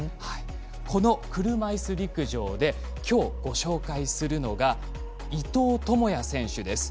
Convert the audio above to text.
この車いす陸上できょう、ご紹介するのが伊藤智也選手です。